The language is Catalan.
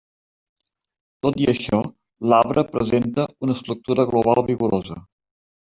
Tot i això, l'arbre presenta una estructura global vigorosa.